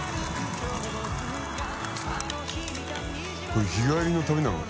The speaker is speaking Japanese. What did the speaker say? これ日帰りの旅なの？